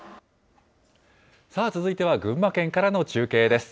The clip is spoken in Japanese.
続いては群馬県からの中継です。